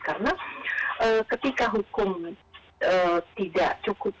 karena ketika hukum tidak cukup